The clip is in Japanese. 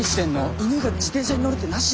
犬が自転車に乗るってなしでしょ。